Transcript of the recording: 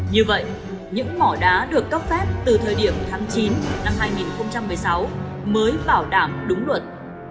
như vậy những mỏ đá được cấp phép từ thời điểm tháng chín năm hai nghìn một mươi sáu mới bảo đảm đúng luật